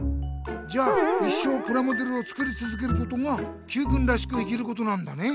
じゃあ一生プラモデルを作りつづけることがＱくんらしく生きることなんだね！